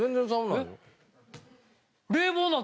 えっ？